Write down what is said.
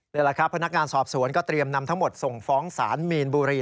นี่แหละครับพนักงานสอบสวนก็เตรียมนำทั้งหมดส่งฟ้องศาลมีนบุรี